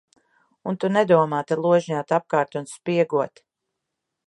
Un tu nedomā te ložņāt apkārt un spiegot.